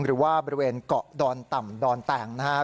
หรือว่าบริเวณเกาะดอนต่ำดอนแตงนะครับ